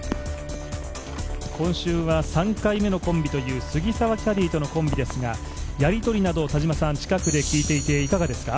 今週は３回目のコンビという杉澤キャディとのコンビですがやりとりなどを近くで聞いていていかがですか？